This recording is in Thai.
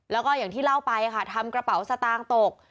แล้วก็อย่างที่เล่าไปค่ะทำกระเป๋าสตางค์ตก